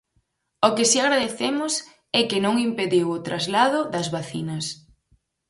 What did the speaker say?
O que si agradecemos é que non impediu o traslado das vacinas.